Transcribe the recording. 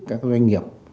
các doanh nghiệp